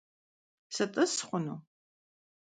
Sıt'ıs xhunu?